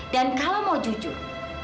dan kalau mau jujur